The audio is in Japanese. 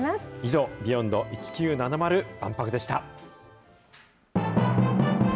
以上、Ｂｅｙｏｎｄ１９７０万博でした。